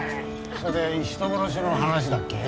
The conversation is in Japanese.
それで人殺しの話だっけ